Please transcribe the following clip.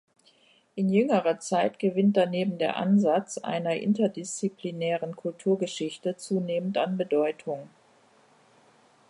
In jüngerer Zeit gewinnt daneben der Ansatz einer interdisziplinären Kulturgeschichte zunehmend an Bedeutung.